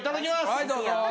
はいどうぞ！